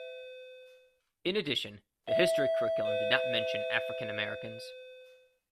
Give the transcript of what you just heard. In addition, the history curriculum did not mention African Americans.